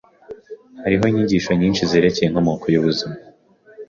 Hariho inyigisho nyinshi zerekeye inkomoko yubuzima.